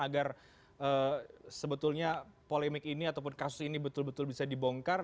agar sebetulnya polemik ini ataupun kasus ini betul betul bisa dibongkar